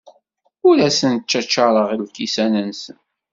Ur asen-ttacaṛeɣ lkisan-nsen.